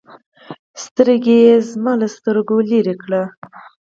سترګې يې زما له سترګو لرې كړې.